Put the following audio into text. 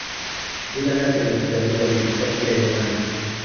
Jina lake la kuzaliwa lilikuwa pia "Yohane".